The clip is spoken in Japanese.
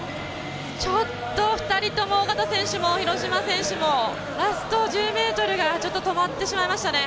ちょっと２人とも小方選手も廣島選手もラスト１０ｍが止まってしまいましたね。